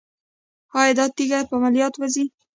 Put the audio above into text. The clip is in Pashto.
ایا دا تیږه په عملیات وځي؟